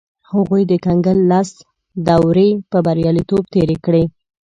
هغوی د کنګل لس دورې په بریالیتوب تېرې کړې.